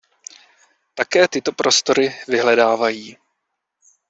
Také tyto prostory vyhledávají.